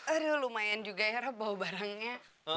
aduh lumayan juga ya rab bawa barangnya